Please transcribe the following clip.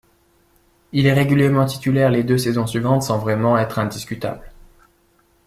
Il est régulièrement titulaire les deux saisons suivantes sans vraiment être indiscutable.